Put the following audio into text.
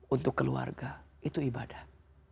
untuk keluarga itu ibadah